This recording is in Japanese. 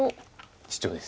シチョウです。